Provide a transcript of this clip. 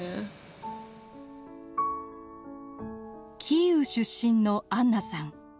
キーウ出身のアンナさん。